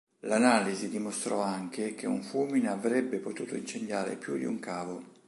L'analisi dimostrò anche che un fulmine avrebbe potuto incendiare più di un cavo.